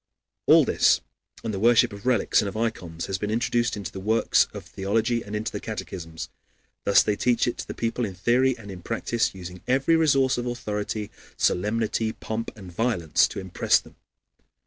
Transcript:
All this, and the worship of relics and of ikons, has been introduced into works of theology and into the catechisms. Thus they teach it to the people in theory and in practice, using every resource of authority, solemnity, pomp, and violence to impress them.